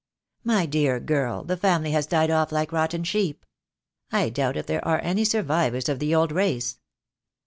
"My dear girl, the family has died off like rotten sheep. I doubt if there are any survivors of the old race."